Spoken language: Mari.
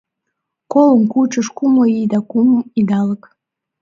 Колым кучыш кумло ий да кум идалык